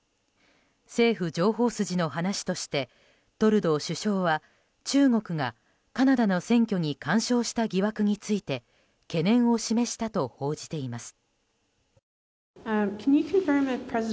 政府情報筋の話としてトルドー首相は中国がカナダの選挙に干渉した疑惑について懸念を示したと報じています。